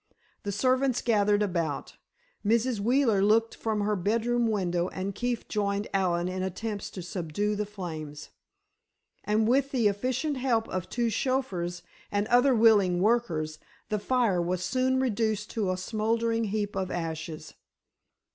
The servants gathered about, Mrs. Wheeler looked from her bedroom window, and Keefe joined Allen in attempts to subdue the flames. And with the efficient help of two chauffeurs and other willing workers the fire was soon reduced to a smouldering heap of ashes.